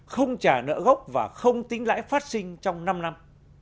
không trả nợ gốc và không tính lãi phát sinh trong năm năm